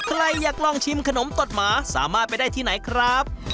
ใครอยากลองชิมขนมตดหมาสามารถไปได้ที่ไหนครับ